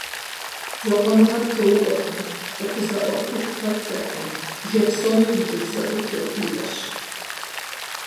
Закъуэныгъэр теуӏуэркъым, къыхузэӏуахыху пэплъэркъым, бжэ псоми ӏункӏыбзэӏух яхуиӏэщ.